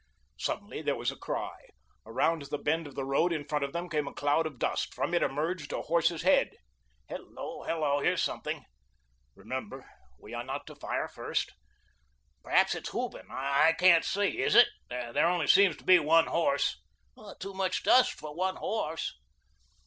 Suddenly there was a cry. Around the bend of the road in front of them came a cloud of dust. From it emerged a horse's head. "Hello, hello, there's something." "Remember, we are not to fire first." "Perhaps that's Hooven; I can't see. Is it? There only seems to be one horse." "Too much dust for one horse."